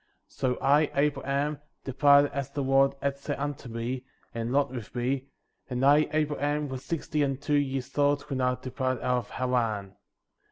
14. So I, Abraham, departed as the Lord had said unto me, and Lot with me;^ and I, Abraham, was sixty and two years old when I departed out of Haran.